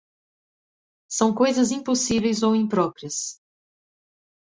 São coisas impossíveis ou impróprias.